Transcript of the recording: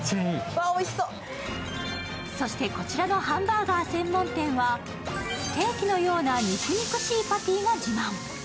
そしてこちらのハンバーガー専門店は、ステーキのような肉肉しいパティが自慢。